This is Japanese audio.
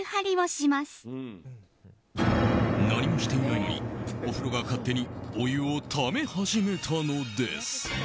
何もしていないのにお風呂が勝手にお湯をため始めたのです。